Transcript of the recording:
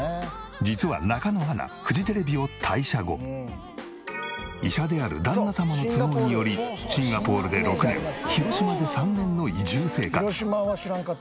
実は中野アナ医者である旦那様の都合によりシンガポールで６年広島で３年の移住生活。